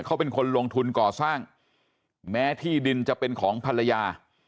เขาเป็นคนลงทุนก่อสร้างแม้ที่ดินจะเป็นของภรรยา